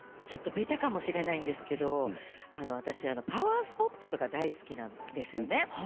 ちょっとベタかもしれないんですけど私パワースポットとか大好きなんですよね。